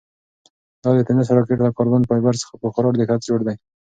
دا د تېنس راکټ له کاربن فایبر څخه په خورا دقت جوړ شوی.